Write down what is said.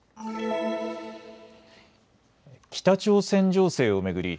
北朝鮮情勢を巡り